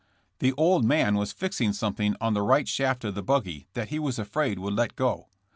The old man was fixing something on the right shaft of the buggy that he was afraid would let go.